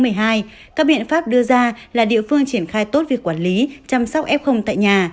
các biện pháp đưa ra là địa phương triển khai tốt việc quản lý chăm sóc f tại nhà